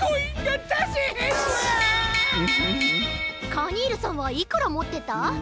カニールさんはいくらもってた？